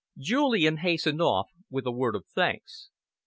Julian hastened off, with a word of thanks.